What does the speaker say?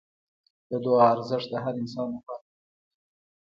د دعا ارزښت د هر انسان لپاره مهم دی.